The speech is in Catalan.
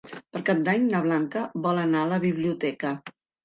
Per Cap d'Any na Blanca vol anar a la biblioteca.